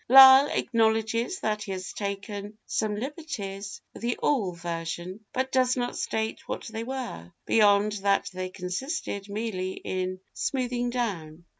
Lyle acknowledges that he has taken some liberties with the oral version, but does not state what they were, beyond that they consisted merely in 'smoothing down.